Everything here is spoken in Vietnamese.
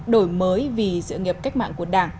đổi mới vì sự nghiệp cách mạng của đảng